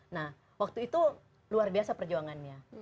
nah waktu itu luar biasa perjuangannya